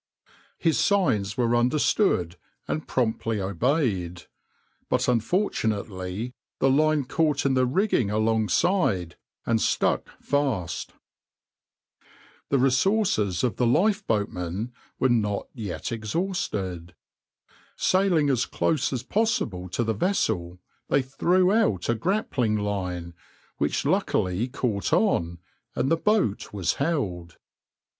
His signs were understood and promptly obeyed, but unfortunately the line caught in the rigging alongside and stuck fast.\par The resources of the lifeboatmen were not yet exhausted. Sailing as close as possible to the vessel, they threw out a grappling line, which luckily caught on, and the boat was held.